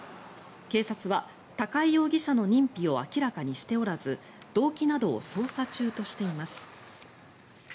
警察は高井容疑者の認否を明らかにしておらず動機などを捜査中としています。